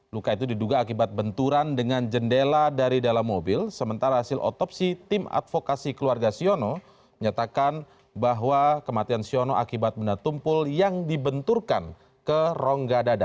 luka itu diduga akibat benturan dengan jendela dari dalam mobil sementara hasil otopsi tim advokasi keluarga siono menyatakan bahwa kematian siono akibat benda tumpul yang dibenturkan ke rongga dada